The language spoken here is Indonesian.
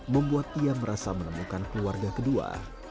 membuat ia merasa menemukan keluarga kedua